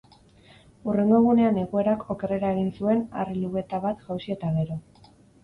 Hurrengo egunean egoerak okerrera egin zuen harri-lubeta bat jausi eta gero.